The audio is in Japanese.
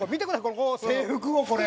この制服をこれ。